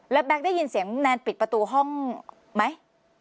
แล้วแก๊กได้ยินเสียงแนนปิดประตูห้องไหม